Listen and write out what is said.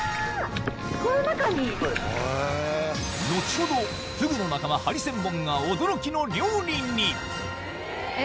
後ほどフグの仲間ハリセンボンが驚きの料理に！